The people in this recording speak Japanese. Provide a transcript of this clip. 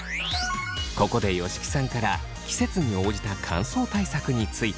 ここで吉木さんから季節に応じた乾燥対策について。